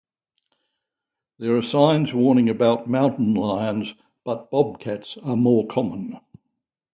There are signs warning about mountain lions, but bobcats are more common.